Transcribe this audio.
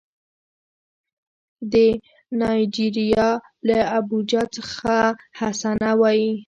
د نایجیریا له ابوجا څخه حسنه وايي